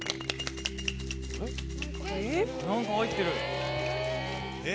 何か入ってる！